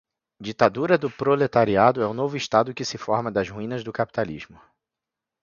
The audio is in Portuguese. Ditadura do proletariado é o novo estado que se forma das ruínas do capitalismo